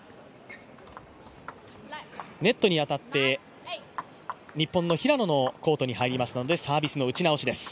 ネットに当たって日本の平野のコートに入りましたのでサービスの打ち直しです。